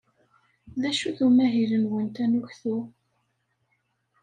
D acu-t umahil-nwent anuktu?